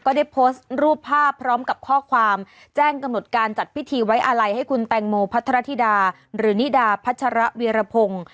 ได้โพสต์รูปภาพพร้อมกับข้อความแจ้งกำหนดการจัดพิธีไว้อาลัยให้คุณแตงโมพัทรธิดาหรือนิดาพัชระวีรพงศ์